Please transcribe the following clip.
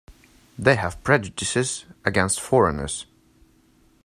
They have prejudices against foreigners.